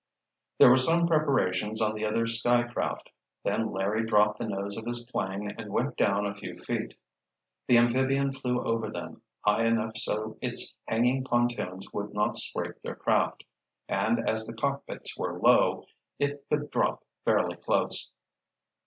There were some preparations on the other skycraft, then Larry dropped the nose of his plane and went down a few feet. The amphibian flew over them, high enough so its hanging pontoons would not scrape their craft, and as the cockpits were low, it could drop fairly close.